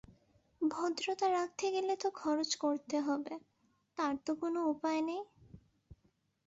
ভদ্রতা রাখতে গেলে তো খরচ করতে হবে, তার তো কোনো উপায় নেই।